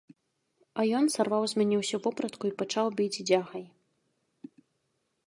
А ён сарваў з мяне ўсю вопратку і пачаў біць дзягай.